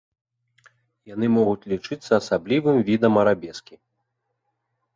Яны могуць лічыцца асаблівым відам арабескі.